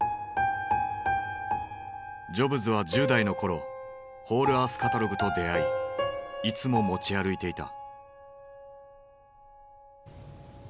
ジョブズは１０代の頃「ホールアースカタログ」と出会いいつも持ち歩いていた。